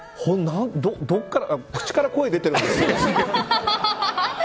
口から声出てるんですよね。